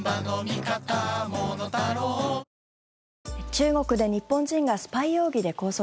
中国で日本人がスパイ容疑で拘束。